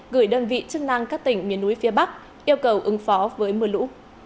gửi đơn vị chức năng các tỉnh miền núi phía bắc yêu cầu ứng phó với mưa lũ